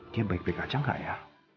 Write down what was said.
dia baik baik aja nggak ya